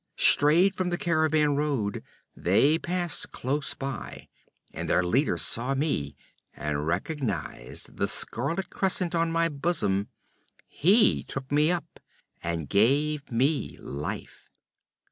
Strayed from the caravan road, they passed close by, and their leader saw me, and recognized the scarlet crescent on my bosom. He took me up and gave me life.